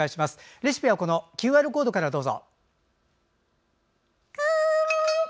レシピはＱＲコードからどうぞ。